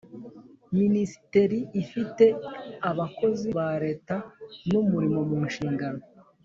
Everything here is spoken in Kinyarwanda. Minisiteri ifite abakozi ba Leta n umurimo mu nshingano